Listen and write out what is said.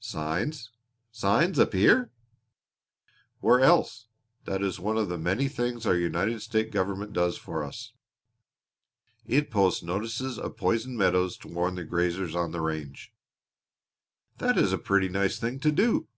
"Signs! Signs up here!" "Where else? That is one of the many things our United States government does for us. It posts notices of poisoned meadows to warn the grazers on the range." "That is a pretty nice thing to do!"